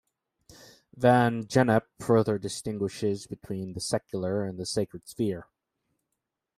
Van Gennep further distinguishes between "the secular" and "the sacred sphere.